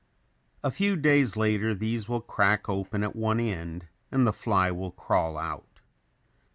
A few days later these will crack open at one end and the fly will crawl out.